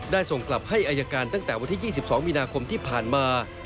ส่งกลับให้อายการตั้งแต่วันที่๒๒มีนาคมที่ผ่านมา